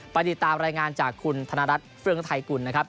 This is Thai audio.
ติดตามรายงานจากคุณธนรัฐเฟื่องไทยกุลนะครับ